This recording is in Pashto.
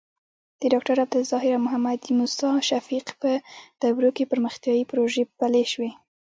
د ډاکټر عبدالظاهر او محمد موسي شفیق په دورو کې پرمختیايي پروژې پلې شوې.